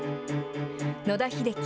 野田秀樹、